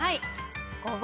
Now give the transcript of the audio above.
５番。